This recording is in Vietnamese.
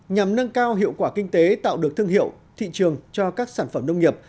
nhằm nâng cao hiệu quả kinh tế tạo được thương hiệu thị trường cho các sản phẩm nông nghiệp